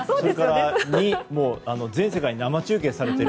２、全世界に生中継されている。